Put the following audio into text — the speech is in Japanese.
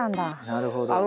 なるほど。